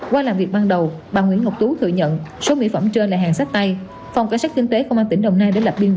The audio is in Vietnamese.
qua làm việc ban đầu bà nguyễn ngọc tú thừa nhận số mỹ phẩm trên là hàng sách tay